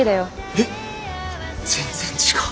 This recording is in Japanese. えっ全然違う。